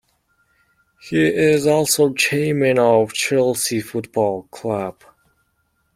He is also Chairman of Chelsea Football Club.